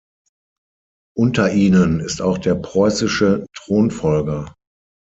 Unter ihnen ist auch der preußische Thronfolger.